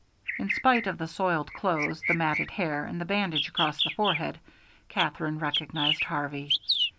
In spite of the soiled clothes, the matted hair, and the bandage across the forehead, Katherine recognized Harvey.